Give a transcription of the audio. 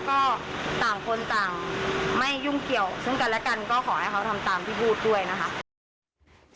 ก็ต่างคนต่างไม่ยุ่งเกี่ยวซึ่งกันและกันก็ขอให้เขาทำตามที่พูดด้วยนะคะ